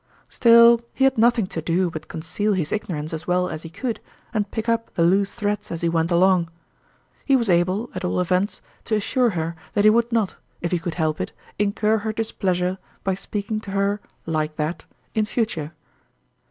Still, he had nothing to do but conceal his ignorance as well as he could, and pick up the loose threads as he went along. He was able, at all events, to assure her that he would not, if he could help it, incur her displeasure by speaking to her " like that " in future.